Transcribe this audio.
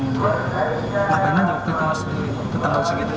ngapain aja waktu itu mas di petang